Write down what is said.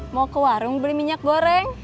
mau ke warung beli minyak goreng